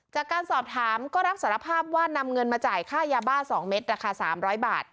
จากการสอบถามก็รับสารภาพว่านำเงินมาจ่ายค่ายาบ้า๒เม็ดราคา๓๐๐บาท